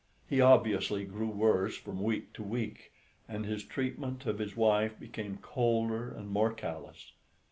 He obviously grew worse from week to week, and his treatment of his wife became colder and more callous.